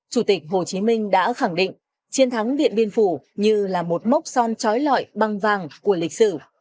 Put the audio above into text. chủ tịch hồ chí minh đã khẳng định chiến thắng điện biên phủ như là một mốc son trói lọi băng vàng của lịch sử